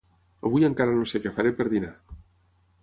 Avui encara no sé què faré per dinar